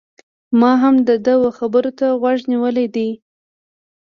ما هم د ده و خبرو ته غوږ نيولی دی